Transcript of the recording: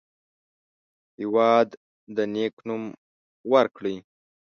هېواد ته نیک نوم ورکړئ